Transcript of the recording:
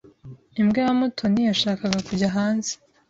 Imbwa ya Mutoni yashakaga kujya hanze.